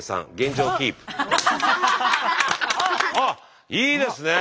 あっいいですねぇ。